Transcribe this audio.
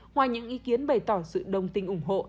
ngoài những ý kiến bày tỏ sự đồng tình ủng hộ